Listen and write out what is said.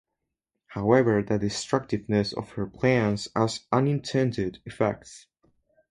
However the destructiveness of her plans has unintended effects.